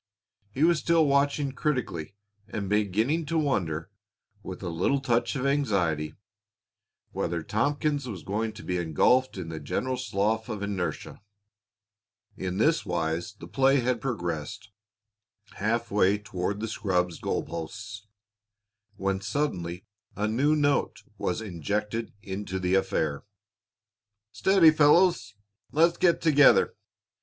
He was still watching critically and beginning to wonder, with a little touch of anxiety, whether Tompkins was going to be engulfed in the general slough of inertia. In this wise the play had progressed half way toward the scrub's goal posts when suddenly a new note was injected into the affair. "Steady, fellows. Let's get together.